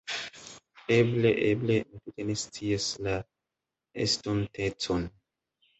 Eble, eble. Mi tute ne scias la estontecon